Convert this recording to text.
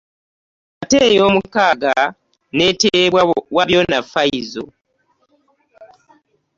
Ate eyoomukaaga n'eteebwa Wabyona Faisal.